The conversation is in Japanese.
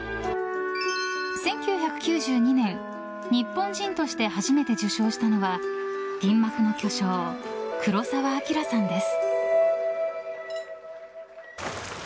１９９２年日本人として初めて受賞したのは銀幕の巨匠・黒澤明さんです。